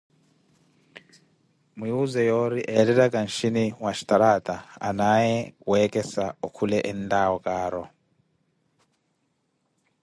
Nwuuze yoori yeettettaka nxini mwa xtaraata anaaye weekhesa okhule entawo kaaru.